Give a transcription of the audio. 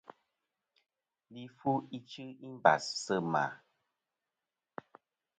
Li fu ichɨ i mbàs sɨ mà.